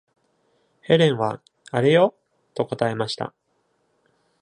ヘレンは「あれよ。」と答えました。